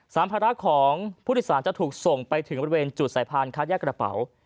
ภาระของผู้โดยสารจะถูกส่งไปถึงบริเวณจุดสายพานคัดแยกกระเป๋า